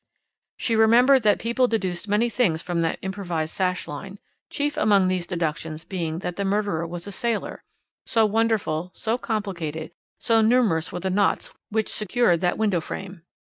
She remembered that people deduced many things from that improvised sash line, chief among these deductions being that the murderer was a sailor so wonderful, so complicated, so numerous were the knots which secured that window frame.